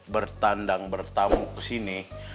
bertandang bertamu kesini